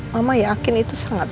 mama yakin itu sangat